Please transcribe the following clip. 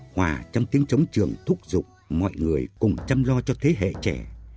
hòa trong tiếng chống trường thúc giục mọi người cùng chăm lo cho thế hệ trẻ